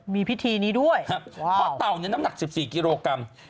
มีพิธีนี้ด้วยเพราะเต่าเนี่ยน้ำหนัก๑๔กิโลกรัม